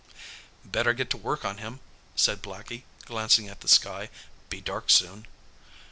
"Better get to work on him," said Blackie, glancing at the sky. "Be dark soon."